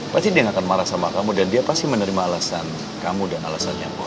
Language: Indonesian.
pasti dia yang akan marah sama kamu dan dia pasti menerima alasan kamu dan alasannya